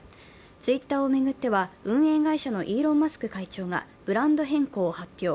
Ｔｗｉｔｔｅｒを巡っては運営会社のイーロン・マスク会長がブランド変更を発表。